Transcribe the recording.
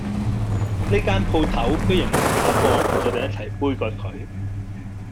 呢間舖頭居然賣假貨我哋一齊杯葛佢